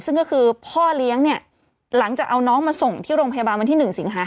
ซึ่งก็คือพ่อเลี้ยงเนี่ยหลังจากเอาน้องมาส่งที่โรงพยาบาลวันที่๑สิงหา